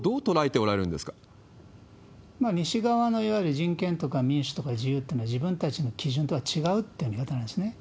やはり西側のいわゆる人権とか民主とか自由っていうのは、自分たちと違うという言い方なんですね。